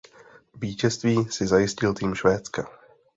Vítězství si zajistil tým Švédska.